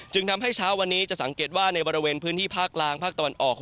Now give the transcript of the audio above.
ทำให้เช้าวันนี้จะสังเกตว่าในบริเวณพื้นที่ภาคกลางภาคตะวันออก